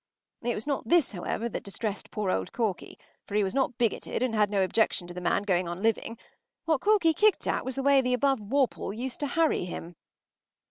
It was not this, however, that distressed poor old Corky, for he was not bigoted and had no objection to the man going on living. What Corky kicked at was the way the above Worple used to harry him.